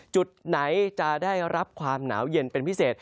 จุดไหนจะได้รับความหนาวเย็นเป็นพิเศษ